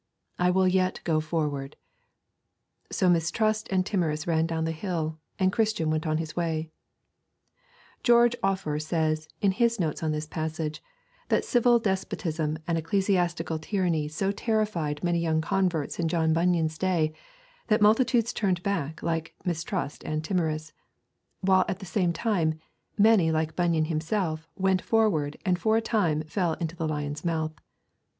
I will yet go forward.' So Mistrust and Timorous ran down the hill, and Christian went on his way. George Offor says, in his notes on this passage, that civil despotism and ecclesiastical tyranny so terrified many young converts in John Bunyan's day, that multitudes turned back like Mistrust and Timorous; while at the same time, many like Bunyan himself went forward and for a time fell into the lion's mouth.